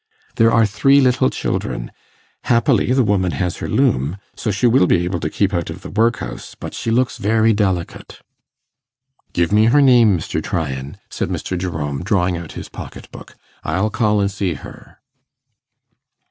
There are three little children. Happily the woman has her loom, so she will be able to keep out of the workhouse; but she looks very delicate.' 'Give me her name, Mr. Tryan,' said Mr. Jerome, drawing out his pocket book. 'I'll call an' see her.